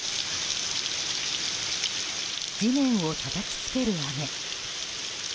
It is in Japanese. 地面をたたきつける雨。